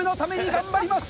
頑張ります！